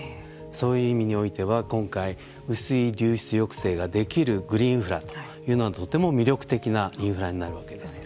そういう意味においては今回雨水流出抑制ができるグリーンインフラというのはとても魅力的なインフラになるわけです。